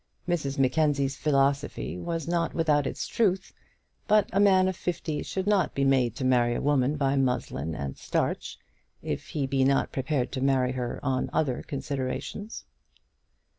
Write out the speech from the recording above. Mrs Mackenzie's philosophy was not without its truth; but a man of fifty should not be made to marry a woman by muslin and starch, if he be not prepared to marry her on other considerations.